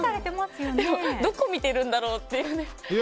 どこ見てるんだろうっていう。